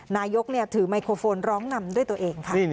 นายกถือไมโครโฟนร้องนำด้วยตัวเองค่ะ